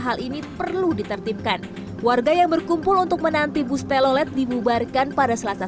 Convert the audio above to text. hal ini perlu ditertibkan warga yang berkumpul untuk menanti bus telolet dibubarkan pada selasa